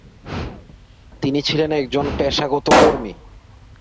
তিনি ছিলেন একজন পেশাগত কর্মী।